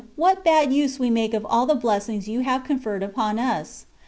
what bad use we make of all the blessings you have conferred upon us.